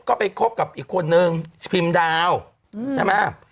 ก็ไปคบกับอีกคนนึงพิมพ์ดาวใช่ไหม